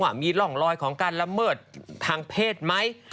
ว่ามีร่องรอยของการละเมิดทางเพศไหม